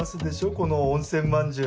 この温泉まんじゅう。